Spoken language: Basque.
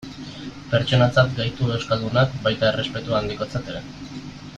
Pertsonatzat gaitu euskaldunak, baita errespetu handikotzat ere.